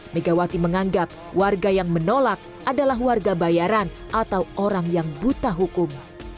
megawati menganggap warga yang menolak adalah warga bayaran atau orang yang buta hukum